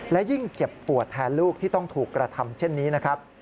และยิ่งเจ็บปวดแทนลูกที่ต้องถูกกระทำเช่นนี้นะครับ